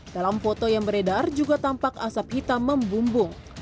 dalam foto yang beredar juga tampak asap hitam membumbung